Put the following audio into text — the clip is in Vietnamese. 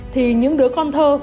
thì những đứa con thơ